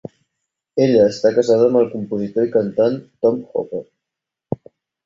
Ella està casada amb el compositor i cantant Tom Hooper.